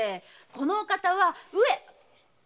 このお方はうえ。